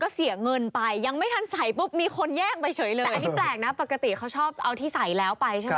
เขาบอกว่าเขาชื่นชอบส่วนตัว